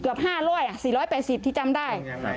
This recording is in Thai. เกือบ๕๐๐อ่ะ๔๘๐ที่จำได้